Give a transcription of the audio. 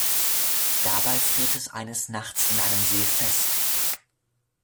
Dabei friert es eines Nachts in einem See fest.